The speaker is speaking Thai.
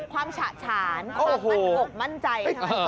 ความฉะฉานความอบมั่นใจ